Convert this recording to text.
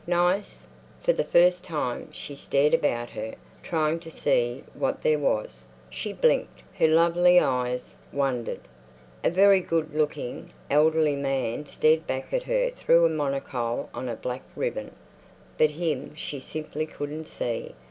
Nice? For the first time she stared about her, trying to see what there was.... She blinked; her lovely eyes wondered. A very good looking elderly man stared back at her through a monocle on a black ribbon. But him she simply couldn't see.